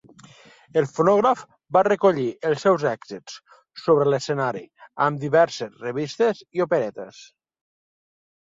El fonògraf va recollir els seus èxits sobre l'escenari amb diverses revistes i operetes.